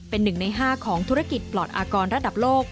เป็นหนึ่งในห้าของธุรกิจปลอดอากรระดับโลก